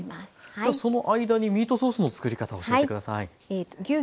じゃあその間にミートソースの作り方教えて下さい。